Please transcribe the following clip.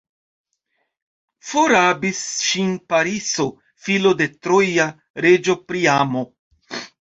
Forrabis ŝin Pariso, filo de troja reĝo Priamo.